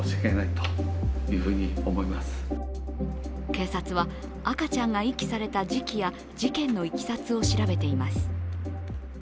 警察は、赤ちゃんが遺棄された時期や事件のいきさつを調べています。